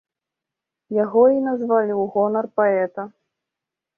Яго і назвалі ў гонар паэта.